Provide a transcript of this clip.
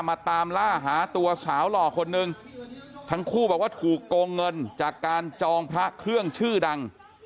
มาตามล่าหาตัวสาวหล่อคนนึงทั้งคู่บอกว่าถูกโกงเงินจากการจองพระเครื่องชื่อดัง